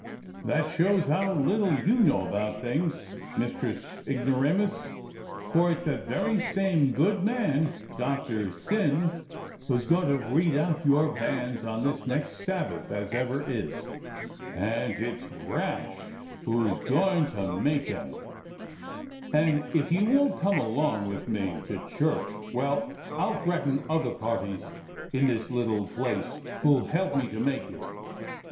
"That shows how little you know about things, IVIistress Ignoramous; for it's that very same good man, Doctor Syn, who is going to read out your banns on this next Sabbath as ever is, and it's Rash who is going to make him, and if you won't come along with me to 118 DOCTOR SYN church, well, I'll threaten other parties in this little place who'll help me to make you.